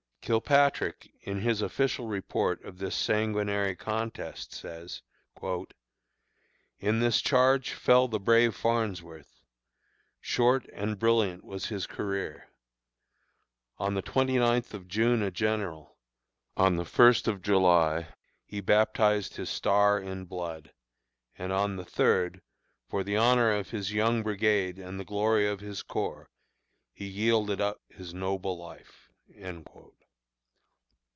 Kilpatrick, in his official report of this sanguinary contest, says: "In this charge fell the brave Farnsworth. Short and brilliant was his career. On the twenty ninth of June a general; on the first of July he baptized his star in blood; and on the third, for the honor of his young brigade and the glory of his corps, he yielded up his noble life."